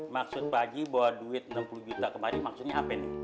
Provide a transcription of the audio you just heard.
maksud bagi bawa duit enam puluh juta kemari maksudnya apa nih